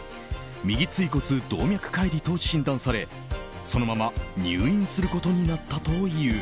右椎骨動脈解離と診断されそのまま入院することになったという。